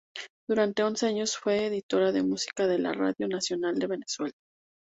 Durante once años fue editora de música de la "Radio Nacional de Venezuela".